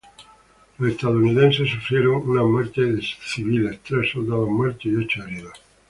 Los estadounidenses sufrieron una muerte de civiles, tres soldados muertos y ocho heridos.